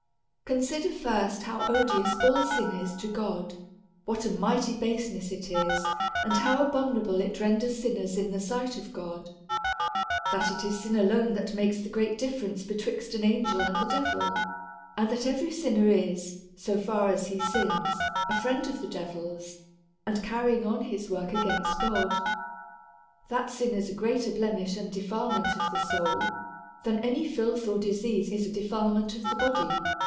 Consider first, how odious all sin is to God, what a mighty baser ness it is, and how abominable it renders sinners in the sight of God. That it is sin alone that makes the great difference betwixt an angel and the devil ; and that every sinner is, so far as he sins, a friend of the devil's, and carrying on his work against God. That sin is a greater blemish and defilement of the soul than any filth or disease is a defilement of the body.